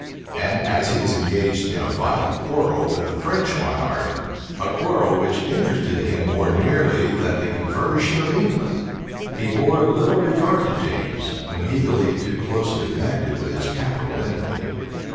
And as he was engaged in a violent quarrel with the French monarch, a quarrel which interested him more nearly than the conversion of England, he bore little regard to James, whom he believed too closely connected with his capital enemy.